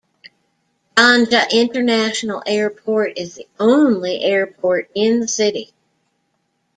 Ganja International Airport is the only airport in the city.